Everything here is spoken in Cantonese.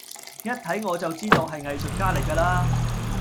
一睇我就知道係藝術家嚟㗎啦